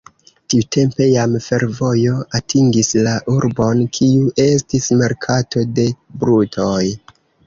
Tiutempe jam fervojo atingis la urbon, kiu estis merkato de brutoj.